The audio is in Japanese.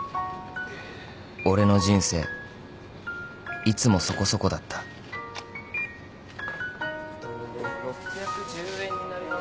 ［俺の人生いつもそこそこだった］と６１０円になります。